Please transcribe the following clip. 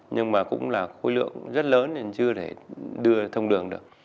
nhưng mà cũng là khối lượng rất lớn nên chưa thể đưa thông đường được